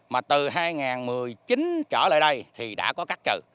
mà từ hai nghìn một mươi chín trở lại đây thì đã có cắt trừ